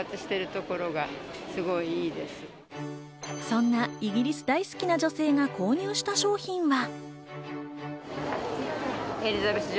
そんなイギリス大好きな女性が購入した商品は。